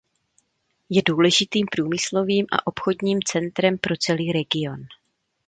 Je důležitým průmyslovým a obchodním centrem pro celý region.